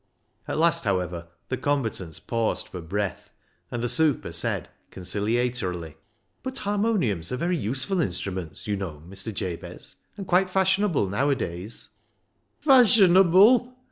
At last, however, the combatants paused for breath, and the super said conciliatorily —" But harmoniums are very useful instruments, you know, Mr. Jabez, and quite fashionable now adays." " Fashionable